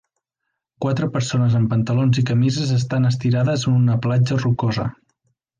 Quatre persones amb pantalons i camises estan estirades en una platja rocosa.